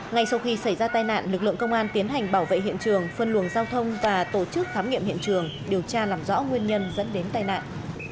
ngay sau khi xảy ra tai nạn lực lượng công an tiến hành bảo vệ hiện trường phân luồng giao thông và tổ chức khám nghiệm hiện trường điều tra làm rõ nguyên nhân dẫn đến tai nạn